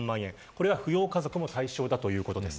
これは扶養家族も対象だという事です。